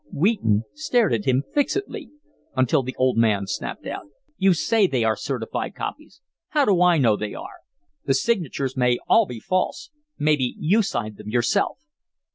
Wheaton stared at him fixedly until the old man snapped out: "You say they are certified copies. How do I know they are? The signatures may all be false. Maybe you signed them yourself."